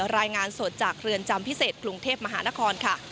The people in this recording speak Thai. รายงานสดจากเรือนจำพิเศษกรุงเทพมหานครค่ะ